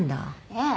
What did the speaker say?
ええ。